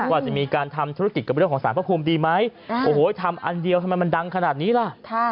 ว่าจะมีการทำธุรกิจกับเรื่องของสารพระภูมิดีไหมโอ้โหทำอันเดียวทำไมมันดังขนาดนี้ล่ะ